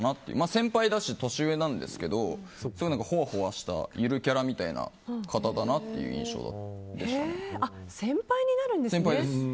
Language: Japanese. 先輩だし年上なんですけどほわほわしたゆるキャラみたいな方だな先輩になるんですね。